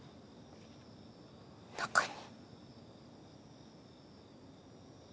中に？